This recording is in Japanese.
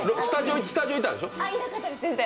スタジオ、いたんでしょ？